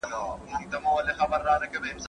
¬ خوله ئې د سوى، شخوند ئې د اوښ.